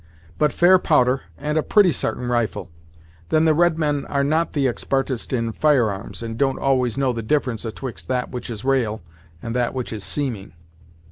But fair powder, and a pretty sartain rifle; then the red men are not the expartest in fire arms, and don't always know the difference atwixt that which is ra'al, and that which is seeming."